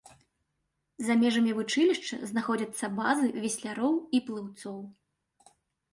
За межамі вучылішча знаходзяцца базы весляроў і плыўцоў.